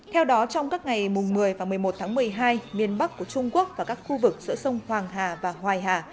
theo đó trong các ngày một mươi và một mươi một tháng một mươi hai miền bắc của trung quốc và các khu vực giữa sông hoàng hà và hoài hà